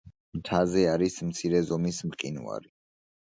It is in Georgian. მთაზე არის მცირე ზომის მყინვარი.